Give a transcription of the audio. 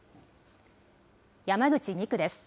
山口２区です。